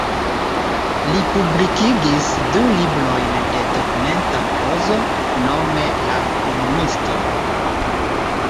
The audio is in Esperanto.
Li publikigis du librojn de dokumenta prozo, nome "La Komunisto".